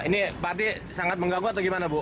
ini pasti sangat menggaku atau gimana bu